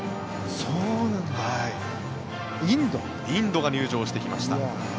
インドが入場してきました。